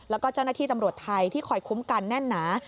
แล้วก็เจ้าหน้าที่ตำรวจไทยที่คอยคุ้มกันแน่นหนา